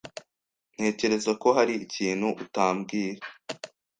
Ntekereza ko hari ikintu utambwira.